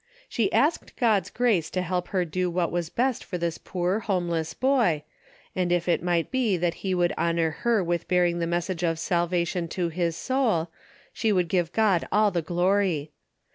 She asked God's grace to help her do what was best for this poor homeless boy, and if it might be that he would honor her with bearing the message of salvation to his soul, she would give God all the glory.